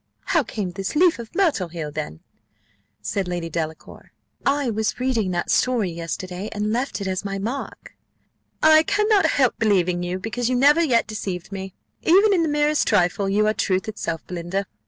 "How came this leaf of myrtle here, then?" said Lady Delacour. "I was reading that story yesterday, and left it as my mark." "I cannot help believing you, because you never yet deceived me, even in the merest trifle: you are truth itself, Belinda.